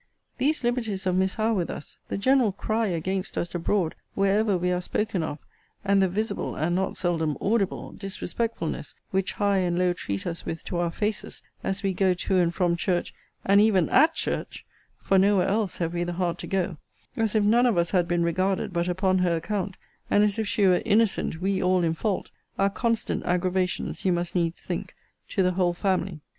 These liberties of Miss Howe with us; the general cry against us abroad wherever we are spoken of; and the visible, and not seldom audible, disrespectfulness, which high and low treat us with to our faces, as we go to and from church, and even at church, (for no where else have we the heart to go,) as if none of us had been regarded but upon her account; and as if she were innocent, we all in fault; are constant aggravations, you must needs think, to the whole family.